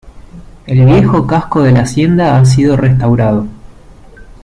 El viejo casco de la hacienda ha sido restaurado.